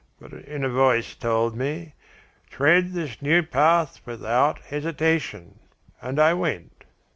But an inner voice told me: 'Tread this new path without hesitation', and I went."